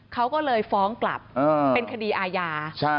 เขาก็เลยฟ้องกลับเป็นคดีอาญา